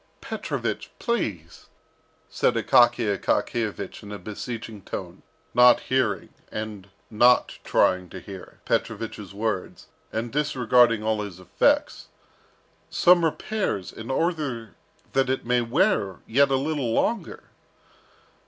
"Petrovich, please," said Akaky Akakiyevich in a beseeching tone, not hearing, and not trying to hear, Petrovich's words, and disregarding all his "effects," "some repairs, in order that it may wear yet a little longer."